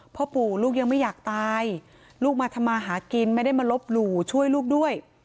พ่อปู่ลูกยังไม่อยากตายลูกมาทำมาหากินไม่ได้มาลบหลู่ช่วยลูกด้วย